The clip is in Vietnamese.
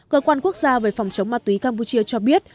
cơ quan quốc gia về phòng chống ma túy campuchia cho biết